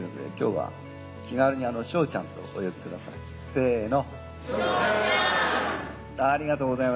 せの。